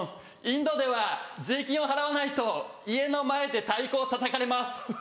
インドでは税金を払わないと家の前で太鼓をたたかれます。